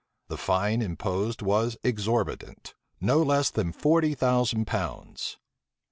The fine imposed was exorbitant; no less than forty thousand pounds.